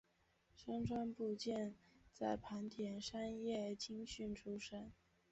牲川步见在磐田山叶青训出身。